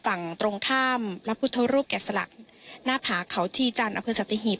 ฝั่งตรงข้ามรับพุทธรูปแก่สลักหน้าผาเขาชีจันทร์อภิษฐฐิหิต